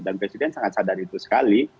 dan presiden sangat sadar itu sekali